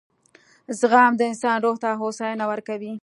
• زغم د انسان روح ته هوساینه ورکوي.